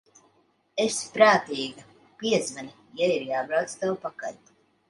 Esi prātīga, piezvani, ja ir jābrauc tev pakaļ.